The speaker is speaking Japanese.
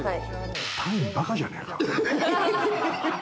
単位ばかじゃないか？